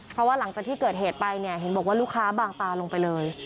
เพราะว่าหลังจากที่เกิดเหตุไปเนี่ยเห็นบอกว่าลูกค้าบางตาลงไปเลย